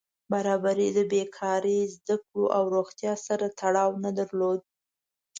برابري د بېکاري، زده کړو او روغتیا سره تړاو نه درلود.